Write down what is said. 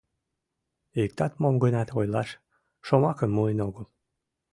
Иктат мом-гынат ойлаш шомакым муын огыл.